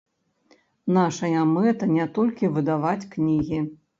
Нашая мэта не толькі выдаваць кнігі.